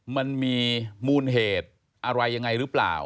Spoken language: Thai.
มันมีมูลเหตุอะไรยังไงหรือเปล่า